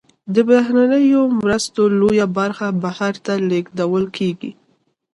د بهرنیو مرستو لویه برخه بهر ته لیږدول کیږي.